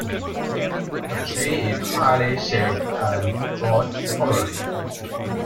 The tree is highly shade- and drought-tolerant.